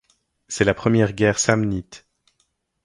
C'est la première guerre samnite.